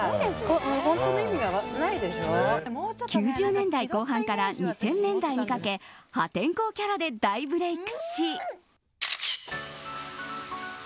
９０年代後半から２０００年代にかけ破天荒キャラで大ブレークし。